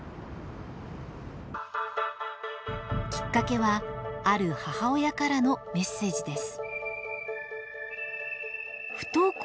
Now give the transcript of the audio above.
きっかけはある母親からのメッセージです。